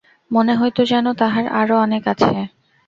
মনে হইত যেন তাঁহার আরো অনেক আছে।